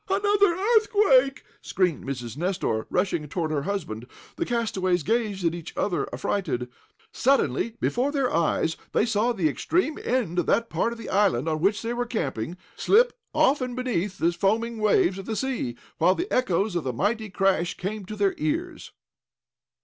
"Another earthquake!" screamed Mrs. Nestor, rushing toward her husband. The castaways gazed at each other affrighted. Suddenly, before their eyes, they saw the extreme end of that part of the island on which they were camping, slip off, and beneath the foaming waves of the sea, while the echoes of the mighty crash came to their ears!